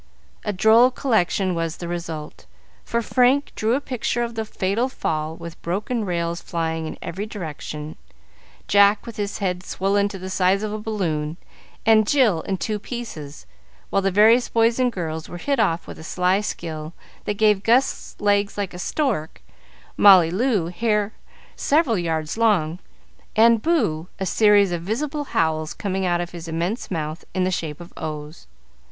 A droll collection was the result, for Frank drew a picture of the fatal fall with broken rails flying in every direction, Jack with his head swollen to the size of a balloon, and Jill in two pieces, while the various boys and girls were hit off with a sly skill that gave Gus legs like a stork, Molly Loo hair several yards long, and Boo a series of visible howls coming out of an immense mouth in the shape of o's.